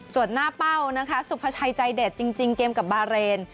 ส่วนหน้าเป้านะคะสุภาชัยใจเด็ดจริงเกมกับบาเรน